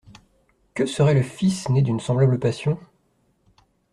Que serait le fils né d'une semblable passion?